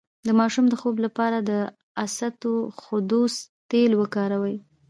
د ماشوم د خوب لپاره د اسطوخودوس تېل وکاروئ